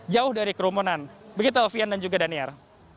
jauh dari kerumunan begitu alfian dan juga daniar